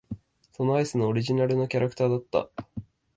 そのアイスのオリジナルのキャラクターだった。